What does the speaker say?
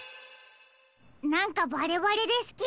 なんかバレバレですけど。